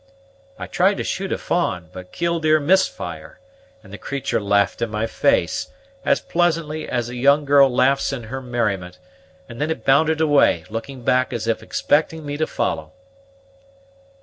I tried to shoot a fa'n, but Killdeer missed fire, and the creatur' laughed in my face, as pleasantly as a young girl laughs in her merriment, and then it bounded away, looking back as if expecting me to follow."